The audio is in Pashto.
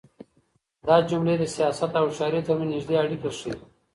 دا جملې د سياست او هوښيارۍ تر منځ نږدې اړيکه ښيي.